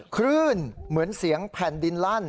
คลื่นเหมือนเสียงแผ่นดินลั่น